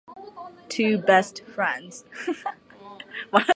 Two best friends.